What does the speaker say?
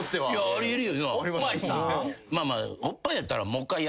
あり得るよな。